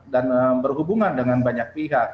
dan berhubungan dengan banyak pihak